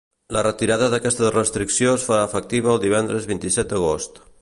La retirada d’aquesta restricció es farà efectiva el divendres vint-i-set d’agost.